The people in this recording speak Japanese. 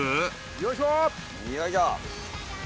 よいしょ。